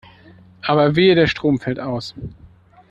Aber wehe, der Strom fällt aus.